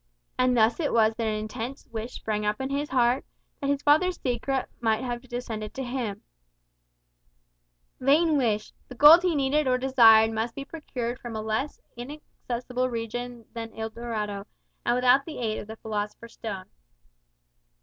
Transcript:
And thus it was that an intense wish sprang up in his heart, that his father's secret might have descended to him. Vain wish! The gold he needed or desired must be procured from a less inaccessible region than El Dorado, and without the aid of the philosopher's stone.